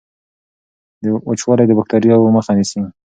وچوالی د باکټریاوو مخه نیسي.